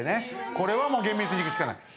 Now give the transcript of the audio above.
これはもう厳密にいくしかない。